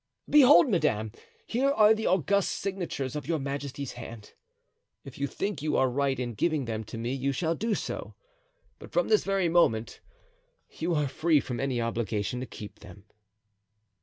Behold, madame! here are the august signatures of your majesty's hand; if you think you are right in giving them to me, you shall do so, but from this very moment you are free from any obligation to keep them."